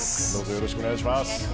よろしくお願いします。